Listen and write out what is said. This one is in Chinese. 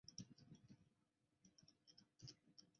事实上她被安葬在另一座卡昂的教堂。